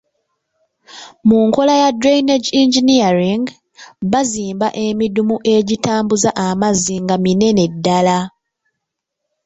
Mu nkola ya drainage engineering, bazimba emidumu egitambuza amazzi nga minene ddala.